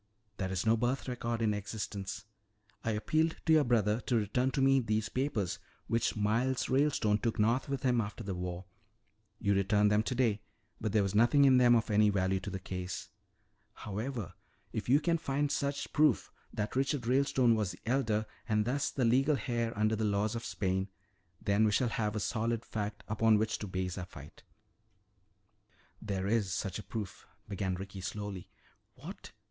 There is no birth record in existence. I appealed to your brother to return to me these papers which Miles Ralestone took north with him after the war. You returned them today but there was nothing in them of any value to this case. "However, if you can find such proof, that Richard Ralestone was the elder and thus the legal heir under the laws of Spain, then we shall have a solid fact upon which to base our fight." "There is such a proof," began Ricky slowly. "What?